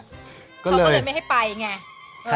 จะไม่ได้ไปไง